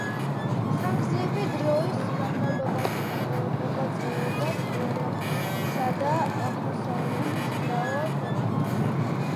ხანგრძლივი დროის განმავლობაში მოღვაწეობდა ევროპისა და აღმოსავლეთის მრავალ ქვეყანაში.